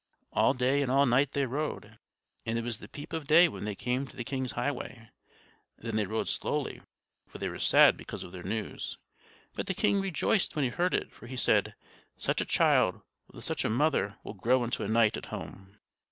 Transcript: All day and all night they rode, and it was the peep of day when they came to the king's highway. Then they rode slowly, for they were sad because of their news; but the king rejoiced when he heard it, for he said: "Such a child, with such a mother, will grow into a knight at home."